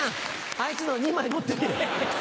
あいつのを２枚持ってって。